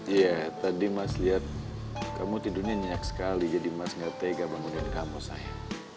iya tadi mas lihat kamu tidurnya nyenyak sekali jadi mas gak tega bangunan kamu saya